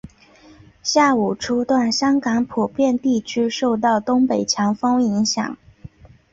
下午初段香港普遍地区受到东北强风影响。